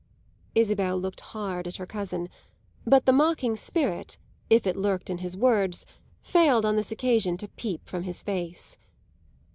Isabel looked hard at her cousin; but the mocking spirit, if it lurked in his words, failed on this occasion to peep from his face.